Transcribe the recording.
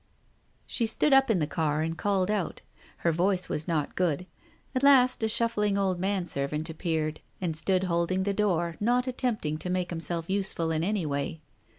She stood up in the car and called out. Her voice was not good. At last, a shuffling old manservant appeared, and stood holding the door, not attempting to make him self useful in any way.